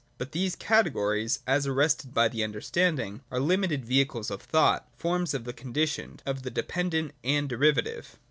But, these Categories, as arrested by the understanding, are limited vehicles of thought, forms of the conditioned, of the dependent and derivative.